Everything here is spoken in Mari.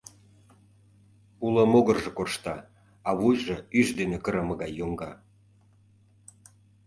Уло могыржо коршта, а вуйжо ӱш дене кырыме гай йоҥга.